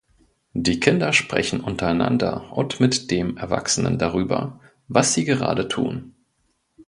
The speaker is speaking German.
Die Kinder sprechen untereinander und mit dem Erwachsenen darüber, was sie gerade tun.